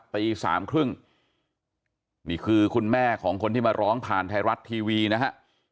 ตีสามครึ่งนี่คือคุณแม่ของคนที่มาร้องผ่านไทยรัฐทีวีนะฮะ